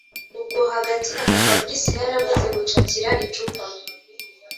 ubwo hagati aho fabric yaramaze gucakira icupa